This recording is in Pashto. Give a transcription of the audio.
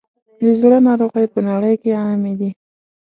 د زړه ناروغۍ په نړۍ کې عامې دي.